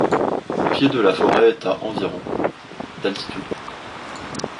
Le pied de la forêt est à environ d'altitude.